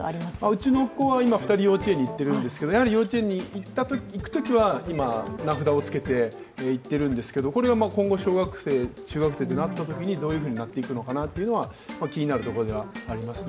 うちの子は今、２人幼稚園に行っているんですけど、やはり幼稚園に行くときは今、名札をつけて行っているんですけれども、これが今後、小学生、中学生となったときにどうなっていくのかは気になるところではありますね。